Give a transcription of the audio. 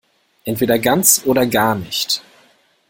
Entweder ganz oder gar nicht.